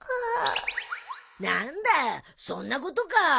何だそんなことか。